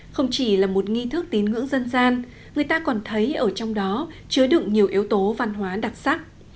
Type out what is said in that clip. không chỉ là một nghi thức tín ngưỡng dân gian người ta còn thấy ở trong đó chứa đựng nhiều yếu tố văn hóa đặc sắc